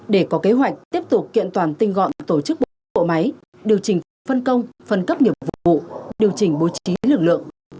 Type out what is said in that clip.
để có kế hoạch tiếp tục kiện toàn tinh gọn tổ chức bộ máy điều chỉnh phân công phân cấp nhiệm vụ điều chỉnh bố trí lực lượng